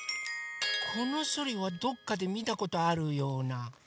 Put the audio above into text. このソリはどっかでみたことあるような。